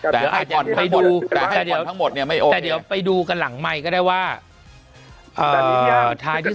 แต่อาจจะไปดูแต่เดี๋ยวไปดูกันหลังใหม่ก็ได้ว่าท้ายที่